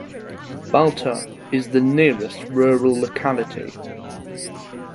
Balta is the nearest rural locality.